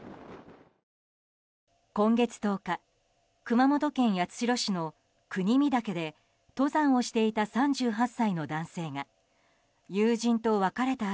今月１０日熊本県八代市の国見岳で登山をしていた３８歳の男性が友人と別れた